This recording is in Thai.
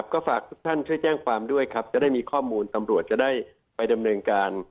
ก็ฝากทุกท่านช่วยแจ้งความด้วยครับจะได้มีข้อมูลตำรวจจะได้ไปดำเนินการ